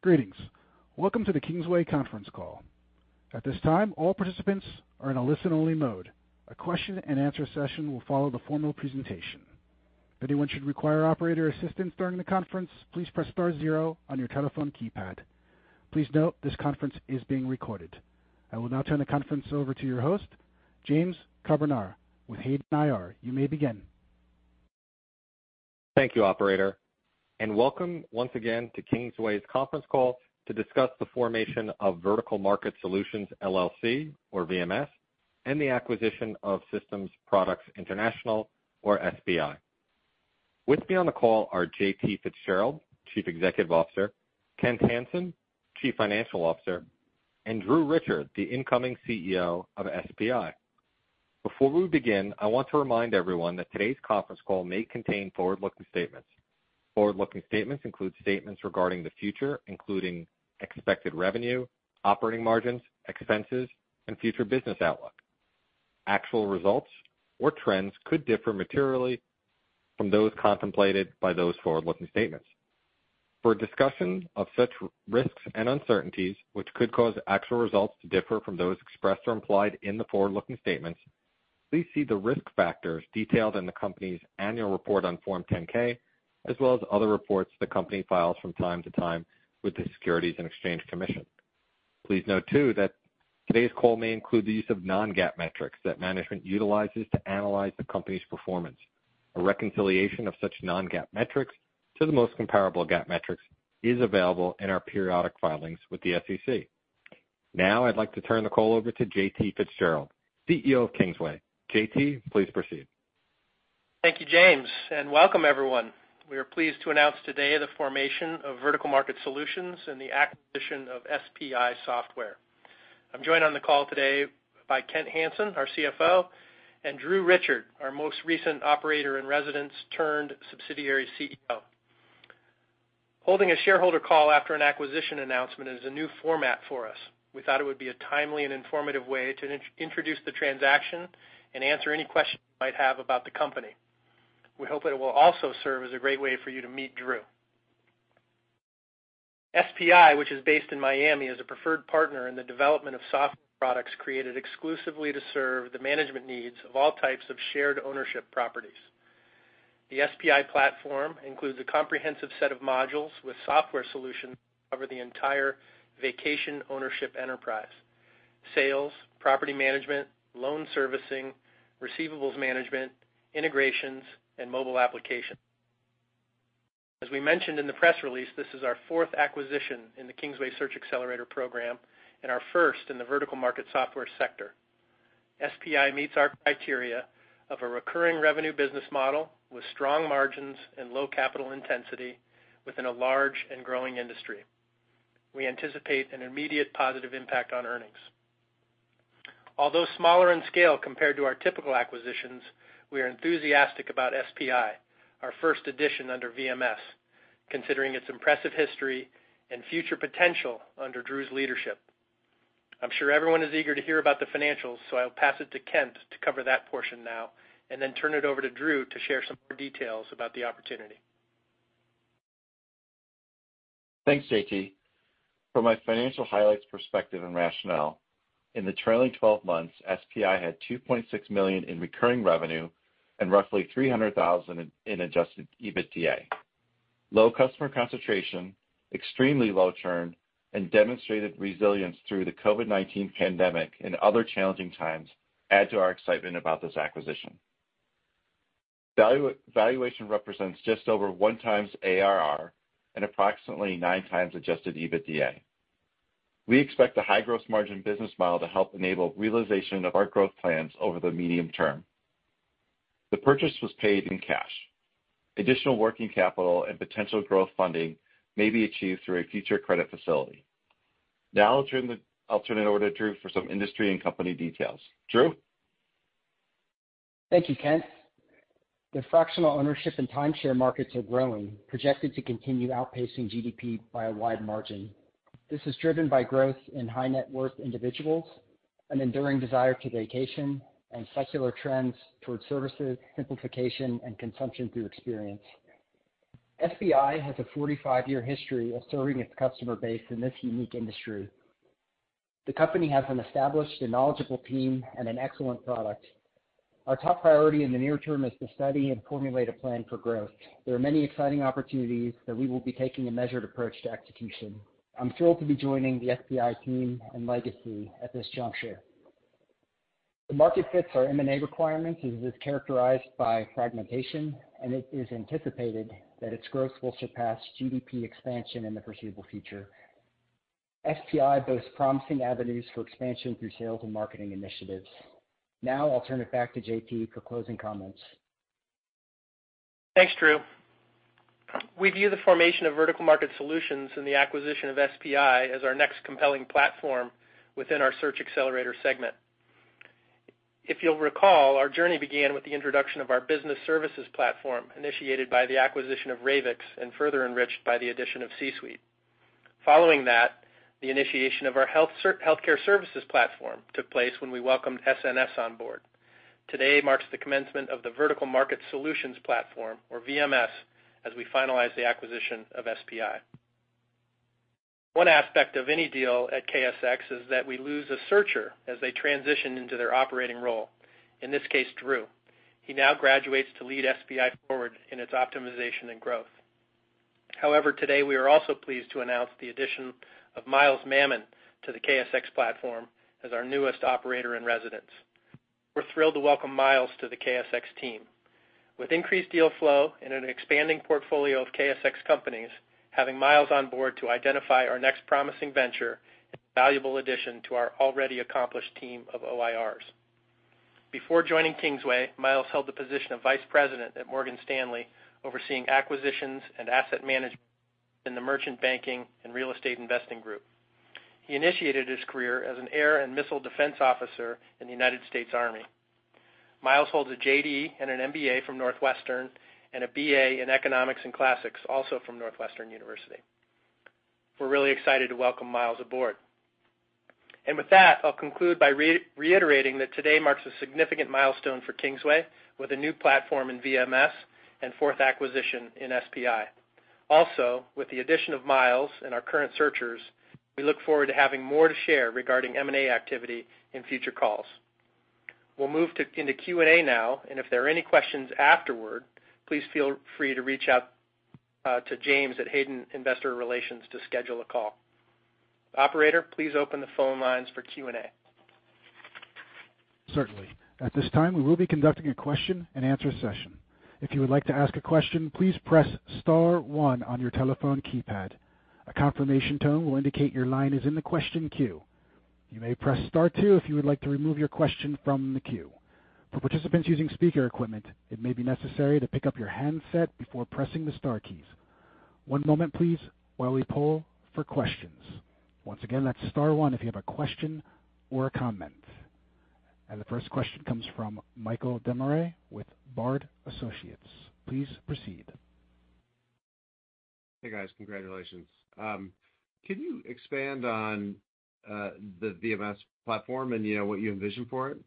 Greetings! Welcome to the Kingsway conference call. At this time, all participants are in a listen-only mode. A question-and-answer session will follow the formal presentation. If anyone should require operator assistance during the conference, please press star zero on your telephone keypad. Please note, this conference is being recorded. I will now turn the conference over to your host, James Carbonara, with Hayden IR. You may begin. Thank you, operator, and welcome once again to Kingsway's conference call to discuss the formation of Vertical Market Solutions, LLC, or VMS, and the acquisition of Systems Products International, or SPI. With me on the call are J.T. Fitzgerald, Chief Executive Officer, Kent Hansen, Chief Financial Officer, and Drew Richard, the incoming CEO of SPI. Before we begin, I want to remind everyone that today's conference call may contain forward-looking statements. Forward-looking statements include statements regarding the future, including expected revenue, operating margins, expenses, and future business outlook. Actual results or trends could differ materially from those contemplated by those forward-looking statements. For a discussion of such risks and uncertainties, which could cause actual results to differ from those expressed or implied in the forward-looking statements, please see the risk factors detailed in the company's annual report on Form 10-K, as well as other reports the company files from time to time with the Securities and Exchange Commission. Please note, too, that today's call may include the use of non-GAAP metrics that management utilizes to analyze the company's performance. A reconciliation of such non-GAAP metrics to the most comparable GAAP metrics is available in our periodic filings with the SEC. Now, I'd like to turn the call over to J.T. Fitzgerald, CEO of Kingsway. J.T., please proceed. Thank you, James, and welcome everyone. We are pleased to announce today the formation of Vertical Market Solutions and the acquisition of SPI Software. I'm joined on the call today by Kent Hansen, our CFO, and Drew Richard, our most recent Operator-in-Residence-turned-subsidiary CEO. Holding a shareholder call after an acquisition announcement is a new format for us. We thought it would be a timely and informative way to introduce the transaction and answer any questions you might have about the company. We hope it will also serve as a great way for you to meet Drew. SPI, which is based in Miami, is a preferred partner in the development of software products created exclusively to serve the management needs of all types of shared ownership properties. The SPI platform includes a comprehensive set of modules with software solutions to cover the entire vacation ownership enterprise: sales, property management, loan servicing, receivables management, integrations, and mobile applications. As we mentioned in the press release, this is our fourth acquisition in the Kingsway Search Xcelerator program and our first in the vertical market software sector. SPI meets our criteria of a recurring revenue business model with strong margins and low capital intensity within a large and growing industry. We anticipate an immediate positive impact on earnings. Although smaller in scale compared to our typical acquisitions, we are enthusiastic about SPI, our first addition under VMS, considering its impressive history and future potential under Drew's leadership. I'm sure everyone is eager to hear about the financials, so I'll pass it to Kent to cover that portion now and then turn it over to Drew to share some more details about the opportunity. Thanks, J.T. From my financial highlights perspective and rationale, in the trailing twelve months, SPI had $2.6 million in recurring revenue and roughly $300,000 in adjusted EBITDA. Low customer concentration, extremely low churn, and demonstrated resilience through the COVID-19 pandemic and other challenging times add to our excitement about this acquisition. Valuation represents just over 1x ARR and approximately 9x adjusted EBITDA. We expect the high gross margin business model to help enable realization of our growth plans over the medium term. The purchase was paid in cash. Additional working capital and potential growth funding may be achieved through a future credit facility. Now I'll turn it over to Drew for some industry and company details. Drew? Thank you, Kent. The fractional ownership and timeshare markets are growing, projected to continue outpacing GDP by a wide margin. This is driven by growth in high-net-worth individuals, an enduring desire to vacation, and secular trends towards services, simplification, and consumption through experience. SPI has a 45-year history of serving its customer base in this unique industry. The company has an established and knowledgeable team and an excellent product. Our top priority in the near term is to study and formulate a plan for growth. There are many exciting opportunities, but we will be taking a measured approach to execution. I'm thrilled to be joining the SPI team and legacy at this juncture. The market fits our M&A requirements, as it is characterized by fragmentation, and it is anticipated that its growth will surpass GDP expansion in the foreseeable future. SPI boasts promising avenues for expansion through sales and marketing initiatives. Now I'll turn it back to J.T. for closing comments. Thanks, Drew. We view the formation of Vertical Market Solutions and the acquisition of SPI as our next compelling platform within our Search Xcelerator segment. If you'll recall, our journey began with the introduction of our business services platform, initiated by the acquisition of Ravix and further enriched by the addition of C-Suite. Following that, the initiation of our healthcare services platform took place when we welcomed SNS on board. Today marks the commencement of the Vertical Market Solutions platform, or VMS, as we finalize the acquisition of SPI. One aspect of any deal at KSX is that we lose a searcher as they transition into their operating role, in this case, Drew. He now graduates to lead SPI forward in its optimization and growth. However, today, we are also pleased to announce the addition of Myles Mamone to the KSX platform as our newest operator in residence. We're thrilled to welcome Myles to the KSX team. With increased deal flow and an expanding portfolio of KSX companies, having Myles on board to identify our next promising venture is a valuable addition to our already accomplished team of OIRs. Before joining Kingsway, Myles held the position of vice president at Morgan Stanley, overseeing acquisitions and asset management in the merchant banking and real estate investing group. He initiated his career as an air and missile defense officer in the United States Army. Myles holds a JD and an MBA from Northwestern, and a BA in Economics and Classics, also from Northwestern University. We're really excited to welcome Myles aboard. With that, I'll conclude by reiterating that today marks a significant milestone for Kingsway with a new platform in VMS and fourth acquisition in SPI. Also, with the addition of Myles and our current searchers, we look forward to having more to share regarding M&A activity in future calls. We'll move into Q&A now, and if there are any questions afterward, please feel free to reach out to James at Hayden Investor Relations to schedule a call. Operator, please open the phone lines for Q&A. Certainly. At this time, we will be conducting a question-and-answer session. If you would like to ask a question, please press star one on your telephone keypad. A confirmation tone will indicate your line is in the question queue. You may press star two if you would like to remove your question from the queue. For participants using speaker equipment, it may be necessary to pick up your handset before pressing the star keys. One moment, please, while we poll for questions. Once again, that's star one if you have a question or a comment. And the first question comes from Michael Demaray with Bard Associates. Please proceed. Hey, guys. Congratulations. Can you expand on the VMS platform and, you know, what you envision for it?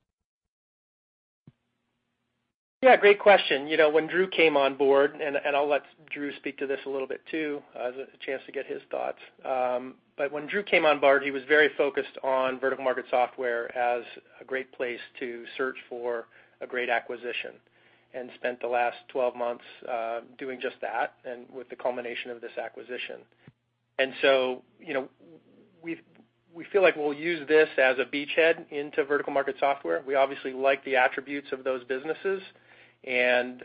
Yeah, great question. You know, when Drew came on board, and I'll let Drew speak to this a little bit, too, as a chance to get his thoughts. But when Drew came on board, he was very focused on vertical market software as a great place to search for a great acquisition, and spent the last 12 months doing just that and with the culmination of this acquisition. And so, you know, we feel like we'll use this as a beachhead into vertical market software. We obviously like the attributes of those businesses and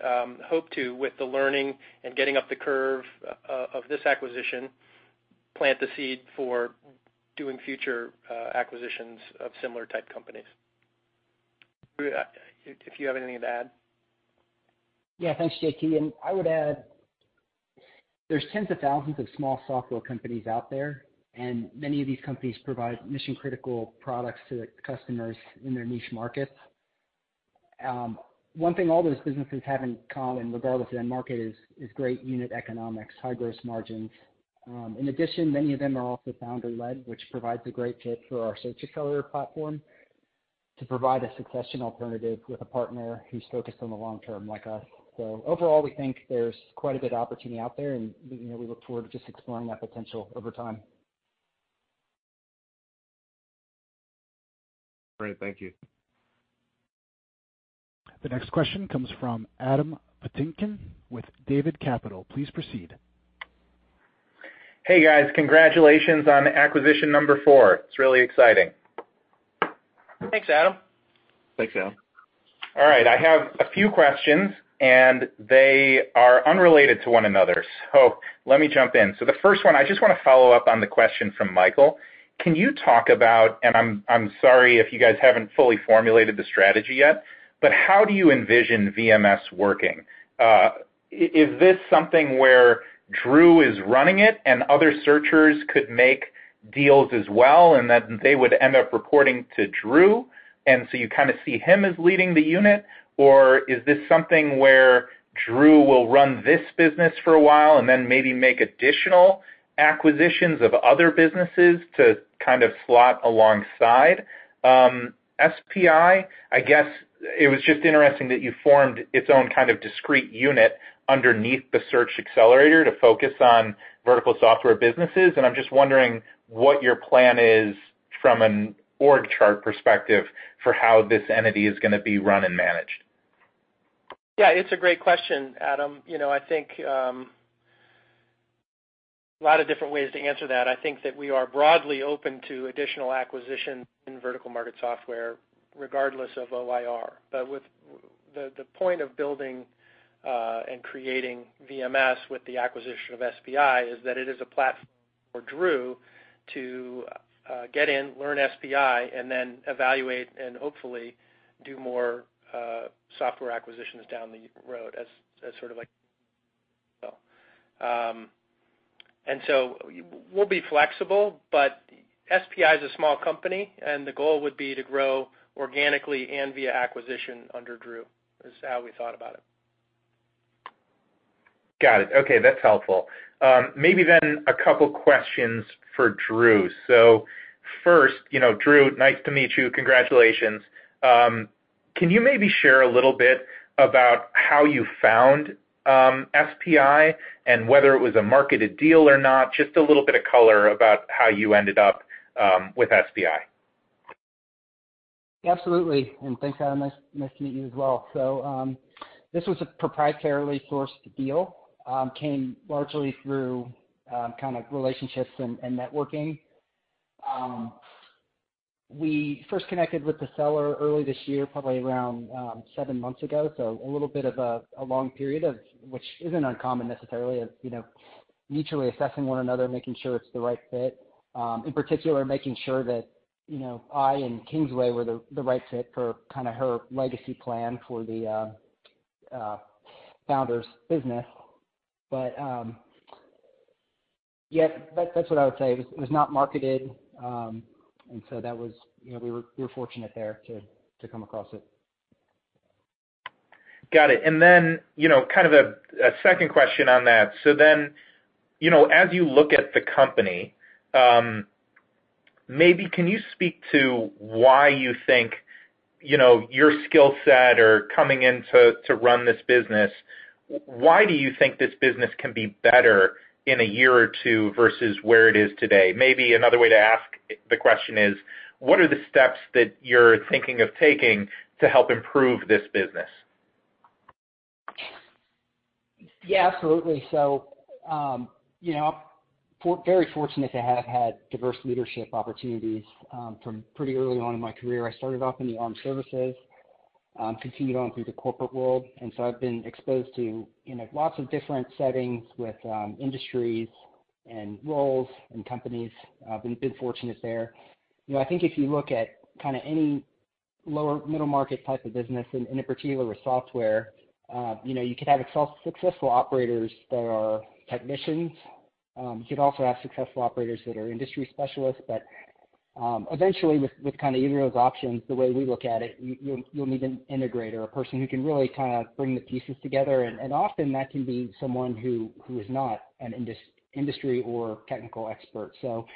hope to, with the learning and getting up the curve of this acquisition, plant the seed for doing future acquisitions of similar type companies. Drew, if you have anything to add? Yeah. Thanks, J.T. I would add, there's tens of thousands of small software companies out there, and many of these companies provide mission-critical products to their customers in their niche markets. One thing all those businesses have in common, regardless of their market, is great unit economics, high gross margins. In addition, many of them are also founder-led, which provides a great fit for our Search Xcelerator platform to provide a succession alternative with a partner who's focused on the long term, like us. So overall, we think there's quite a bit of opportunity out there, and, you know, we look forward to just exploring that potential over time. Great. Thank you. The next question comes from Adam Patinkin with David Capital. Please proceed. Hey, guys. Congratulations on acquisition number four. It's really exciting. Thanks, Adam. Thanks, Adam. All right. I have a few questions, and they are unrelated to one another, so let me jump in. So the first one, I just want to follow up on the question from Michael. Can you talk about, and I'm sorry if you guys haven't fully formulated the strategy yet, but how do you envision VMS working? Is this something where Drew is running it and other searchers could make deals as well, and that they would end up reporting to Drew, and so you kind of see him as leading the unit? Or is this something where Drew will run this business for a while, and then maybe make additional acquisitions of other businesses to kind of slot alongside SPI? I guess it was just interesting that you formed its own kind of discrete unit underneath the Search Xcelerator to focus on vertical software businesses, and I'm just wondering what your plan is from an org chart perspective for how this entity is gonna be run and managed. Yeah, it's a great question, Adam. You know, I think a lot of different ways to answer that. I think that we are broadly open to additional acquisition in vertical Market Software, regardless of OIR. But the point of building and creating VMS with the acquisition of SPI is that it is a platform for Drew to get in, learn SPI, and then evaluate and hopefully do more software acquisitions down the road as sort of like well. And so we'll be flexible, but SPI is a small company, and the goal would be to grow organically and via acquisition under Drew, is how we thought about it.... Got it. Okay, that's helpful. Maybe then a couple questions for Drew. So first, you know, Drew, nice to meet you. Congratulations. Can you maybe share a little bit about how you found SPI and whether it was a marketed deal or not? Just a little bit of color about how you ended up with SPI. Absolutely, and thanks, Adam. Nice, nice to meet you as well. So, this was a proprietarily sourced deal, came largely through, kind of relationships and, and networking. We first connected with the seller early this year, probably around, seven months ago, so a little bit of a long period of which isn't uncommon necessarily, of, you know, mutually assessing one another, making sure it's the right fit. In particular, making sure that, you know, I and Kingsway were the right fit for kinda her legacy plan for the founder's business. But, yeah, that, that's what I would say. It was not marketed, and so that was, you know, we were fortunate there to come across it. Got it. And then, you know, kind of a second question on that: so then, you know, as you look at the company, maybe can you speak to why you think, you know, your skill set or coming in to run this business, why do you think this business can be better in a year or two versus where it is today? Maybe another way to ask the question is, what are the steps that you're thinking of taking to help improve this business? Yeah, absolutely. So, you know, very fortunate to have had diverse leadership opportunities, from pretty early on in my career. I started off in the armed services, continued on through the corporate world, and so I've been exposed to, you know, lots of different settings with, industries and roles and companies. I've been fortunate there. You know, I think if you look at kind of any lower middle market type of business, and in particular with software, you know, you could have successful operators that are technicians. You could also have successful operators that are industry specialists, but, eventually, with kind of either of those options, the way we look at it, you, you'll need an integrator or a person who can really kind of bring the pieces together. Often that can be someone who is not an industry or technical expert. So,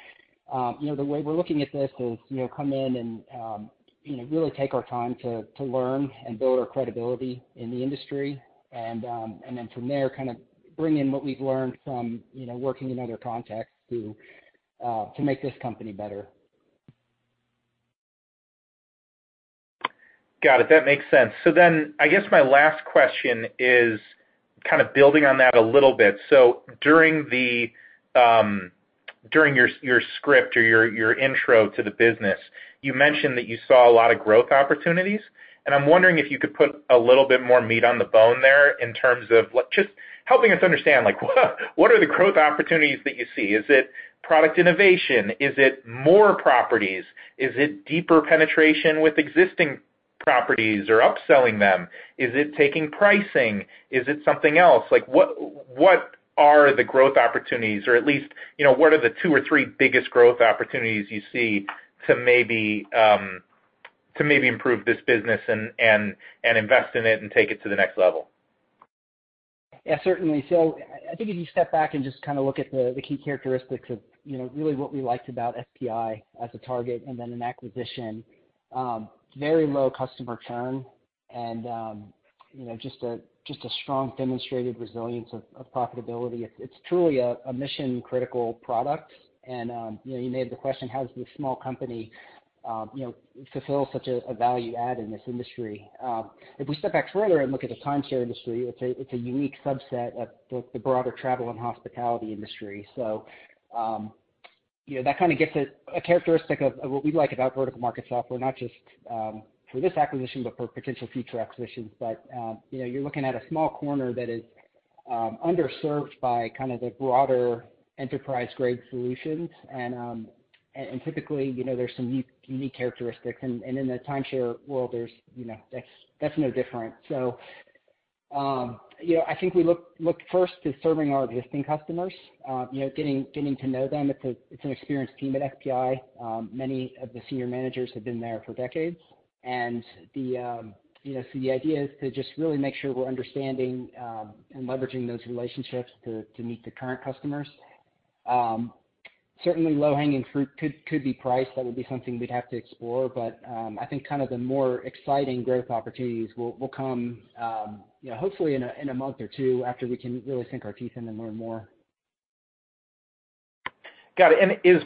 you know, the way we're looking at this is, you know, come in and, you know, really take our time to learn and build our credibility in the industry. And then from there, kind of bring in what we've learned from, you know, working in other contexts to make this company better. Got it. That makes sense. So then, I guess my last question is kind of building on that a little bit. So during your script or your intro to the business, you mentioned that you saw a lot of growth opportunities, and I'm wondering if you could put a little bit more meat on the bone there in terms of what. Just helping us understand, like, what are the growth opportunities that you see? Is it product innovation? Is it more properties? Is it deeper penetration with existing properties or upselling them? Is it taking pricing? Is it something else? Like, what are the growth opportunities, or at least, you know, what are the two or three biggest growth opportunities you see to maybe to maybe improve this business and invest in it and take it to the next level? Yeah, certainly. So I think if you step back and just kind of look at the key characteristics of, you know, really what we liked about SPI as a target and then an acquisition, very low customer churn and, you know, just a strong demonstrated resilience of profitability. It's truly a mission-critical product. And, you know, you made the question, how does this small company, you know, fulfill such a value add in this industry? If we step back further and look at the timeshare industry, it's a unique subset of the broader travel and hospitality industry. So, you know, that kind of gets at a characteristic of what we like about vertical market software, not just for this acquisition, but for potential future acquisitions. You know, you're looking at a small corner that is underserved by kind of the broader enterprise-grade solutions. Typically, you know, there's some unique characteristics, and in the timeshare world, you know, that's no different. You know, I think we looked first to serving our existing customers, you know, getting to know them. It's an experienced team at SPI. Many of the senior managers have been there for decades, and, you know, so the idea is to just really make sure we're understanding and leveraging those relationships to meet the current customers. Certainly low-hanging fruit could be price. That would be something we'd have to explore, but, I think kind of the more exciting growth opportunities will come, you know, hopefully in a month or two after we can really sink our teeth in and learn more. Got it. And is...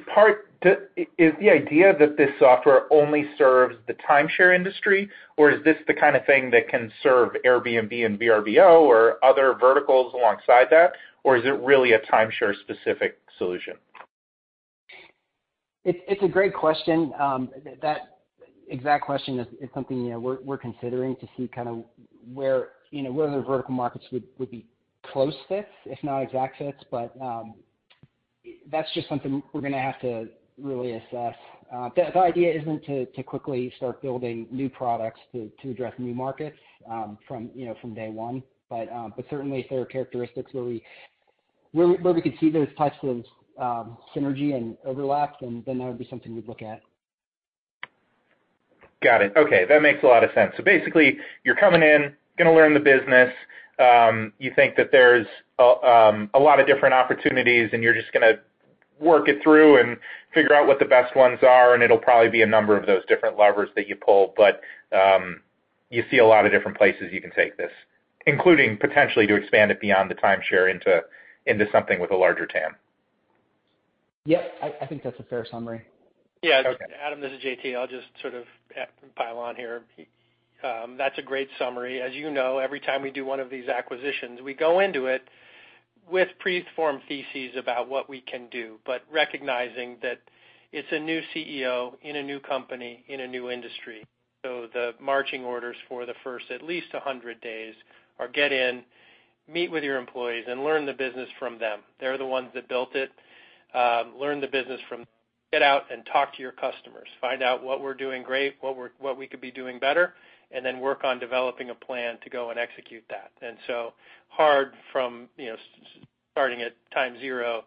Is the idea that this software only serves the timeshare industry, or is this the kind of thing that can serve Airbnb and Vrbo or other verticals alongside that? Or is it really a timeshare-specific solution? It's a great question. That exact question is something, you know, we're considering to see kind of where, you know, where other vertical markets would be close fits, if not exact fits. But that's just something we're gonna have to really assess. The idea isn't to quickly start building new products to address new markets, from, you know, from day one. But certainly if there are characteristics where we could see those types of synergy and overlap, then that would be something we'd look at.... Got it. Okay, that makes a lot of sense. So basically, you're coming in, gonna learn the business. You think that there's a lot of different opportunities, and you're just gonna work it through and figure out what the best ones are, and it'll probably be a number of those different levers that you pull. But you see a lot of different places you can take this, including potentially to expand it beyond the timeshare into something with a larger TAM? Yes, I think that's a fair summary. Yeah- Okay. Adam, this is J.T. I'll just sort of pile on here. That's a great summary. As you know, every time we do one of these acquisitions, we go into it with preformed theses about what we can do, but recognizing that it's a new CEO in a new company in a new industry. So the marching orders for the first, at least 100 days, are get in, meet with your employees, and learn the business from them. They're the ones that built it. Get out and talk to your customers. Find out what we're doing great, what we could be doing better, and then work on developing a plan to go and execute that. And so hard from, you know, starting at time zero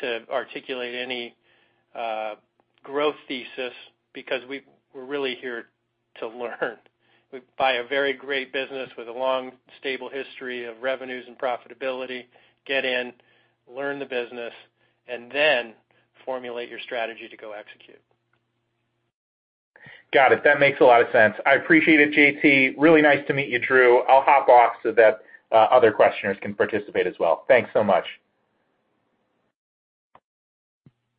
to articulate any growth thesis because we're really here to learn. We buy a very great business with a long, stable history of revenues and profitability. Get in, learn the business, and then formulate your strategy to go execute. Got it. That makes a lot of sense. I appreciate it, J.T. Really nice to meet you, Drew. I'll hop off so that other questioners can participate as well. Thanks so much.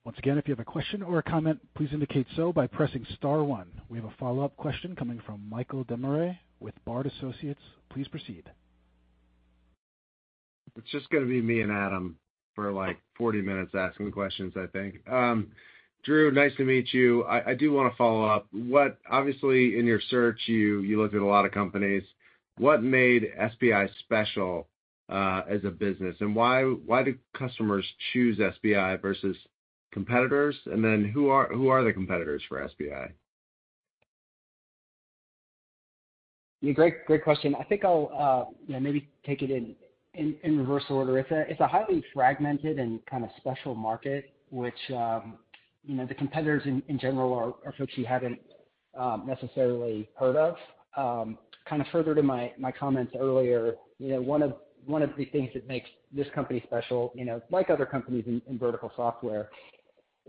Once again, if you have a question or a comment, please indicate so by pressing star one. We have a follow-up question coming from Michael Demaray with Bard Associates. Please proceed. It's just gonna be me and Adam for, like, 40 minutes asking questions, I think. Drew, nice to meet you. I, I do wanna follow up. What—obviously, in your search, you, you looked at a lot of companies. What made SPI special, as a business, and why, why do customers choose SPI versus competitors? And then who are, who are the competitors for SPI? Yeah, great, great question. I think I'll, you know, maybe take it in reverse order. It's a highly fragmented and kind of special market, which, you know, the competitors in general are folks you haven't necessarily heard of. Kind of further to my comments earlier, you know, one of the things that makes this company special, you know, like other companies in vertical software,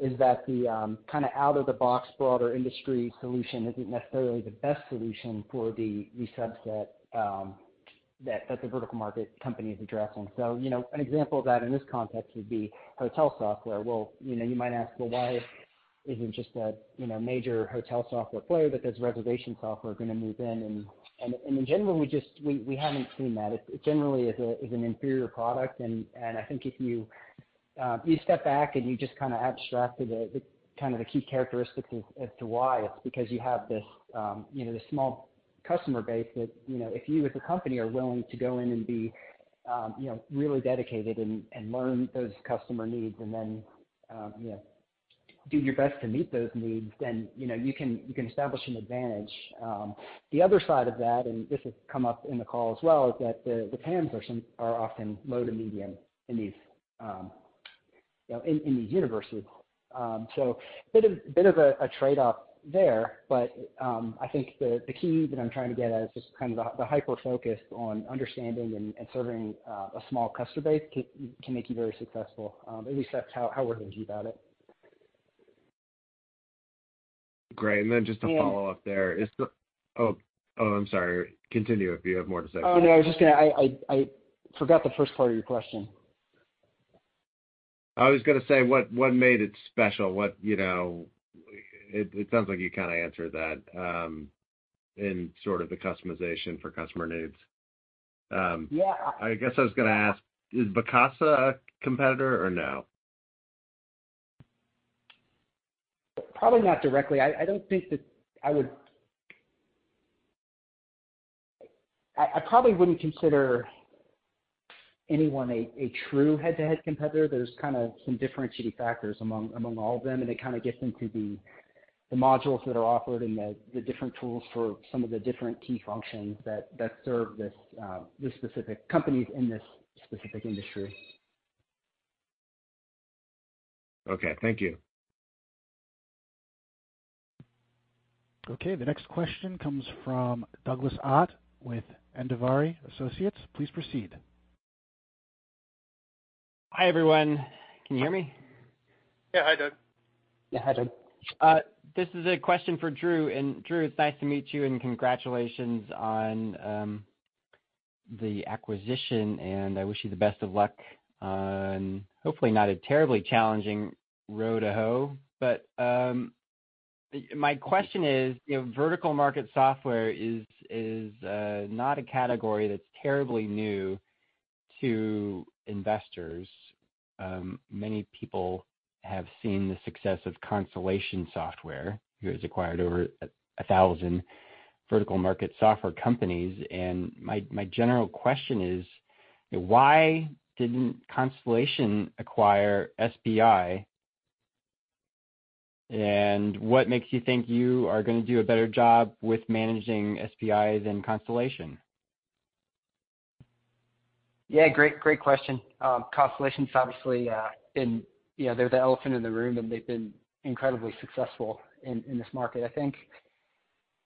is that the kind of out-of-the-box, broader industry solution isn't necessarily the best solution for the subset that the vertical market company is addressing. So, you know, an example of that in this context would be hotel software. Well, you know, you might ask, "Well, why isn't just a, you know, major hotel software player that does reservation software gonna move in?" And in general, we just - we haven't seen that. It generally is an inferior product. And I think if you step back and you just kind of abstract to the kind of the key characteristics as to why, it's because you have this, you know, this small customer base that, you know, if you, as a company, are willing to go in and be, you know, really dedicated and learn those customer needs and then, you know, do your best to meet those needs, then, you know, you can establish an advantage. The other side of that, and this has come up in the call as well, is that the TAMs are often low to medium in these, you know, in these universes. So a bit of a trade-off there, but I think the key that I'm trying to get at is just kind of the hyper-focus on understanding and serving a small customer base can make you very successful. At least that's how we're thinking about it. Great. And- And then just to follow up there, is the... Oh, oh, I'm sorry. Continue, if you have more to say. Oh, no, I was just gonna, I forgot the first part of your question. I was gonna say, what made it special? You know, it sounds like you kind of answered that in sort of the customization for customer needs. Yeah. I guess I was gonna ask, is Vacasa a competitor or no? Probably not directly. I don't think that I would—I probably wouldn't consider anyone a true head-to-head competitor. There's kind of some differentiating factors among all of them, and it kind of gets into the modules that are offered and the different tools for some of the different key functions that serve this specific companies in this specific industry. Okay, thank you. Okay, the next question comes from Douglas Ott with Andvari Associates. Please proceed. Hi, everyone. Can you hear me? Yeah. Hi, Doug. Yeah. Hi, Doug. This is a question for Drew. And Drew, it's nice to meet you, and congratulations on the acquisition, and I wish you the best of luck on hopefully not a terribly challenging row to hoe. But, my question is, you know, vertical market software is not a category that's terribly new to investors. Many people have seen the success of Constellation Software, who has acquired over 1,000 vertical market software companies. And my general question is: Why didn't Constellation acquire SPI, and what makes you think you are gonna do a better job with managing SPI than Constellation?... Yeah, great, great question. Constellation's obviously been, you know, they're the elephant in the room, and they've been incredibly successful in, in this market. I think,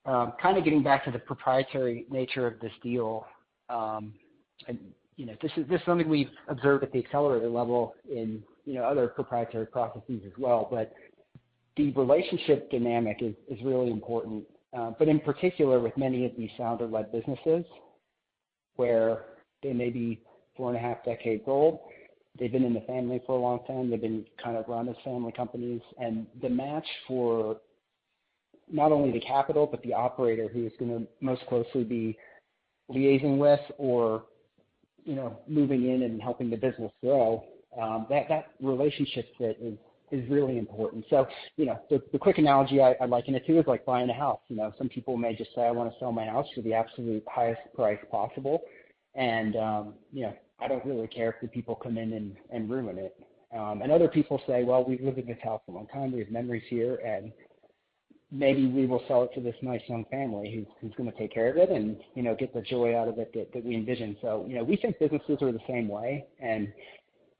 kind of getting back to the proprietary nature of this deal, and, you know, this is, this is something we've observed at the accelerator level in, you know, other proprietary processes as well. But the relationship dynamic is really important. But in particular, with many of these founder-led businesses, where they may be 4.5-decade-old, they've been in the family for a long time, they've been kind of run as family companies, and the match for not only the capital, but the operator who is gonna most closely be liaising with or, you know, moving in and helping the business grow, that relationship fit is really important. So, you know, the quick analogy I liken it to is like buying a house. You know, some people may just say, "I wanna sell my house for the absolute highest price possible, and, you know, I don't really care if the people come in and ruin it." And other people say, "Well, we've lived in this house a long time. We have memories here, and maybe we will sell it to this nice young family who's gonna take care of it and, you know, get the joy out of it that we envision." So, you know, we think businesses are the same way, and,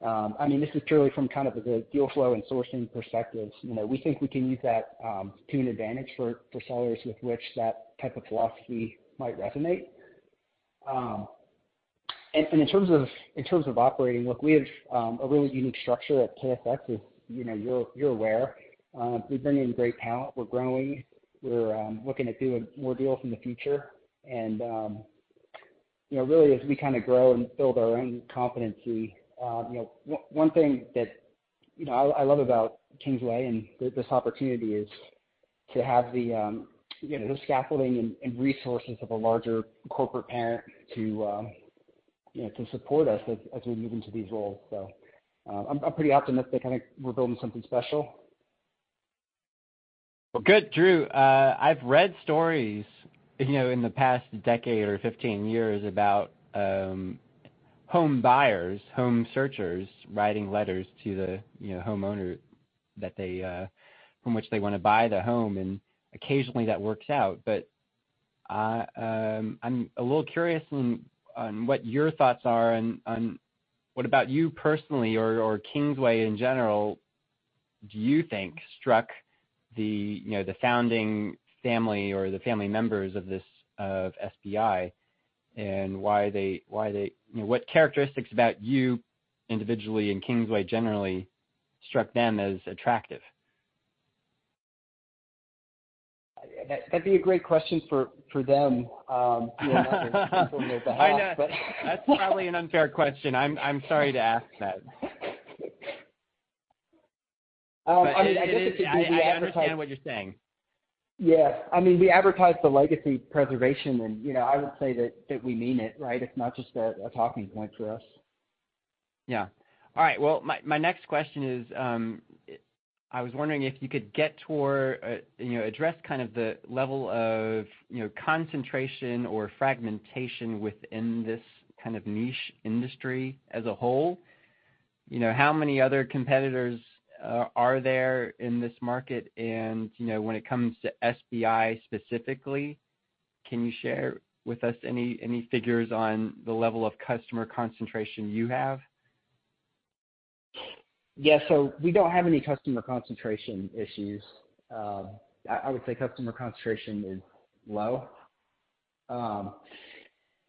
I mean, this is purely from kind of the deal flow and sourcing perspective. You know, we think we can use that, to an advantage for sellers with which that type of philosophy might resonate. And, and in terms of, in terms of operating, look, we have a really unique structure at KFS, as, you know, you're, you're aware. We've brought in great talent. We're growing. We're looking at doing more deals in the future, and, you know, really, as we kind of grow and build our own competency, you know, one thing that, you know, I, I love about Kingsway and this opportunity is to have the, you know, the scaffolding and, and resources of a larger corporate parent to, you know, to support us as, as we move into these roles. So, I'm, I'm pretty optimistic kind of we're building something special. Well, good. Drew, I've read stories, you know, in the past decade or 15 years about home buyers, home searchers, writing letters to the, you know, homeowner that they from which they wanna buy the home, and occasionally that works out. But, I'm a little curious on what your thoughts are on what about you personally or Kingsway in general do you think struck the, you know, the founding family or the family members of this, of SPI and why they, why they... You know, what characteristics about you individually and Kingsway generally struck them as attractive? That'd be a great question for them. I know. But- That's probably an unfair question. I'm, I'm sorry to ask that. I mean, I guess it could be- I understand what you're saying. Yeah. I mean, we advertise the legacy preservation and, you know, I would say that we mean it, right? It's not just a talking point for us. Yeah. All right. Well, my next question is, I was wondering if you could get toward, you know, address kind of the level of, you know, concentration or fragmentation within this kind of niche industry as a whole. You know, how many other competitors are there in this market? And, you know, when it comes to SPI specifically, can you share with us any figures on the level of customer concentration you have? Yeah. So we don't have any customer concentration issues. I would say customer concentration is low.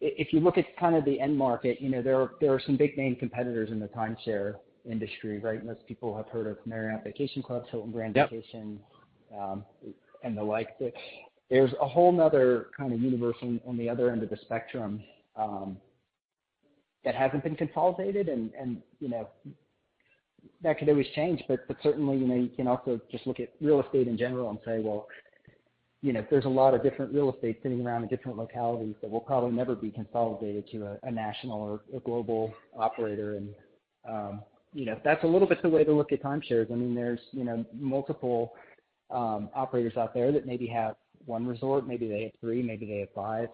If you look at kind of the end market, you know, there are some big name competitors in the timeshare industry, right? Most people have heard of Marriott Vacation Club, Hilton Grand Vacations- Yep... and the like. But there's a whole other kind of universe on the other end of the spectrum that hasn't been consolidated, and, you know, that could always change. But certainly, you know, you can also just look at real estate in general and say, well, you know, there's a lot of different real estate sitting around in different localities that will probably never be consolidated to a national or a global operator. And, you know, that's a little bit the way to look at timeshares. I mean, there's, you know, multiple operators out there that maybe have one resort, maybe they have three, maybe they have five,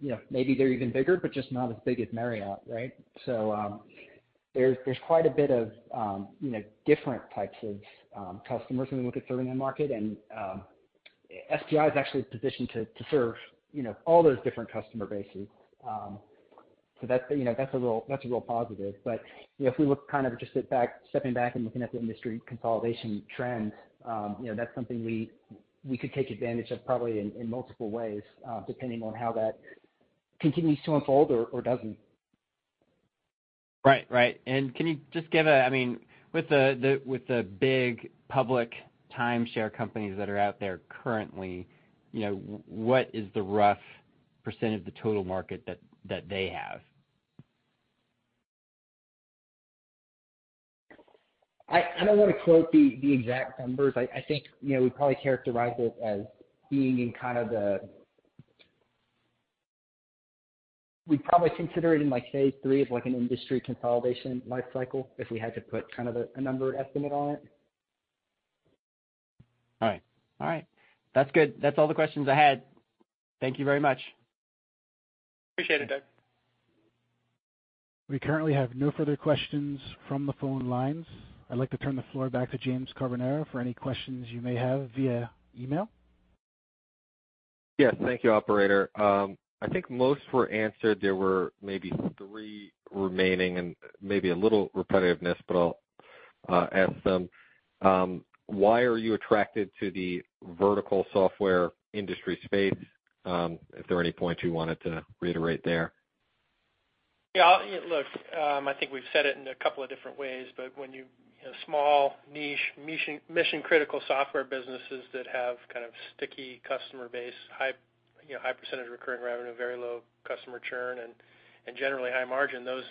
you know, maybe they're even bigger, but just not as big as Marriott, right? So, there's quite a bit of, you know, different types of customers when we look at serving the market. And, SPI is actually positioned to serve, you know, all those different customer bases. So that's, you know, that's a real positive. But, you know, if we look kind of stepping back and looking at the industry consolidation trend, you know, that's something we could take advantage of probably in multiple ways, depending on how that continues to unfold or doesn't. Right. Right. And can you just give a... I mean, with the big public timeshare companies that are out there currently, you know, what is the rough % of the total market that they have? I don't want to quote the exact numbers. I think, you know, we probably characterize it as being in kind of the -- We'd probably consider it in, like, phase three of, like, an industry consolidation lifecycle, if we had to put kind of a number estimate on it. All right. All right. That's good. That's all the questions I had. Thank you very much. Appreciate it, Doug. We currently have no further questions from the phone lines. I'd like to turn the floor back to James Carbonara for any questions you may have via email.... Yes. Thank you, operator. I think most were answered. There were maybe three remaining and maybe a little repetitiveness, but I'll ask them. Why are you attracted to the vertical software industry space? If there are any points you wanted to reiterate there. Yeah, look, I think we've said it in a couple of different ways, but when you, you know, small niche, mission, mission-critical software businesses that have kind of sticky customer base, high, you know, high percentage of recurring revenue, very low customer churn and, and generally high margin, those,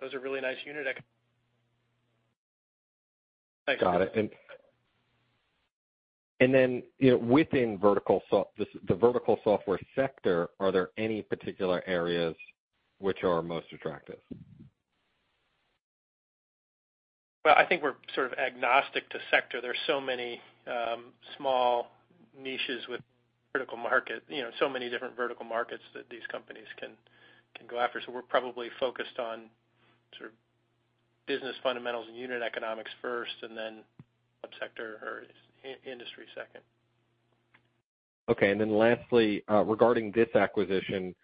those are really nice unit- Got it. And then, you know, within the vertical software sector, are there any particular areas which are most attractive? Well, I think we're sort of agnostic to sector. There are so many small niches with critical market, you know, so many different vertical markets that these companies can go after. So we're probably focused on sort of business fundamentals and unit economics first, and then subsector or in-industry second. Okay. And then lastly, regarding this acquisition,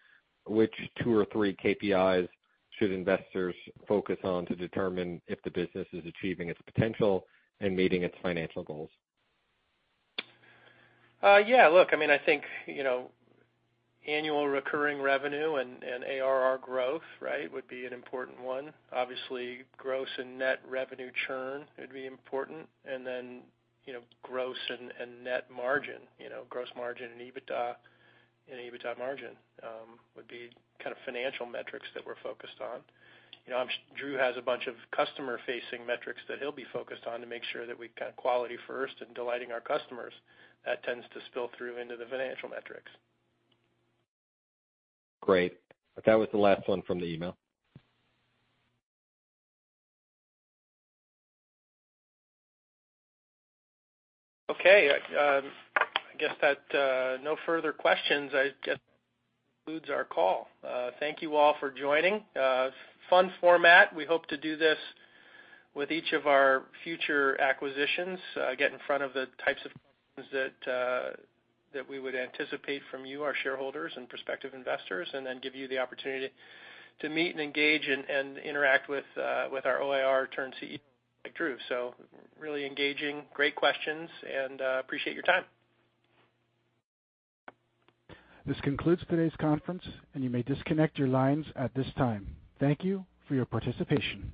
which two or three KPIs should investors focus on to determine if the business is achieving its potential and meeting its financial goals? Yeah, look, I mean, I think, you know, annual recurring revenue and, and ARR growth, right, would be an important one. Obviously, gross and net revenue churn would be important. And then, you know, gross and, and net margin, you know, gross margin and EBITDA and EBITDA margin, would be kind of financial metrics that we're focused on. You know, I'm sure Drew has a bunch of customer-facing metrics that he'll be focused on to make sure that we've got quality first and delighting our customers. That tends to spill through into the financial metrics. Great. That was the last one from the email. Okay, I guess that no further questions. I guess that concludes our call. Thank you all for joining. Fun format. We hope to do this with each of our future acquisitions, get in front of the types of things that that we would anticipate from you, our shareholders and prospective investors, and then give you the opportunity to meet and engage and, and interact with with our OIR turned CEO, Drew. So really engaging, great questions, and appreciate your time. This concludes today's conference, and you may disconnect your lines at this time. Thank you for your participation.